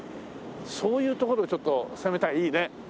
そういうところちょっと攻めたらいいね。